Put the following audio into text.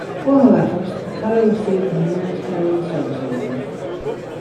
For her efforts, the cutter received the Humanitarian Service Award.